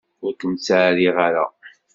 Ur kem-ttɛerriɣ ara.